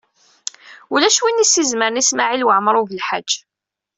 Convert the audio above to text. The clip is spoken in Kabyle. Ulac win i s-izemren i Smawil Waɛmaṛ U Belḥaǧ.